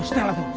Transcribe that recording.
setel lah tu